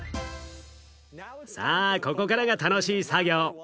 さあここからが楽しい作業。